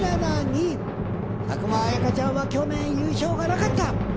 佐久間彩加ちゃんは去年優勝がなかった。